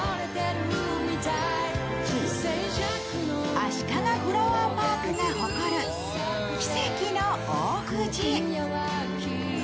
あしかがフラワーパークが誇る奇跡の大藤。